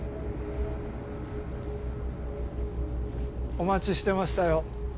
お待ちしてましたよ台場